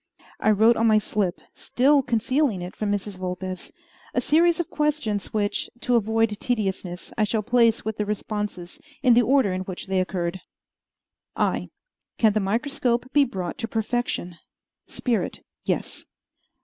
I wrote on my slip still concealing it from Mrs. Vulpes a series of questions which, to avoid tediousness, I shall place with the responses, in the order in which they occurred: I. Can the microscope be brought to perfection? Spirit Yes.